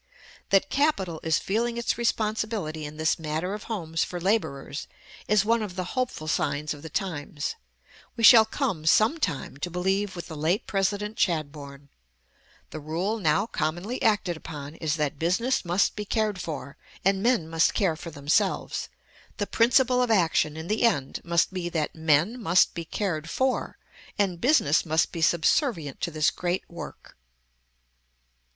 That capital is feeling its responsibility in this matter of homes for laborers is one of the hopeful signs of the times. We shall come, sometime, to believe with the late President Chadbourne, "The rule now commonly acted upon is that business must be cared for, and men must care for themselves. The principle of action, in the end, must be that men must be cared for, and business must be subservient to this great work."